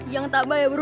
yang tambah ya bro